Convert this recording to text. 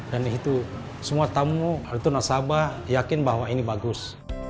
dan itu semua tamu ada itu nasabah yakin bahwa ini bagus